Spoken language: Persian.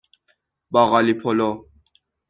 باقالی پلو